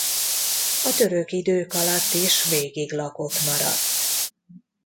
A török idők alatt is végig lakott maradt.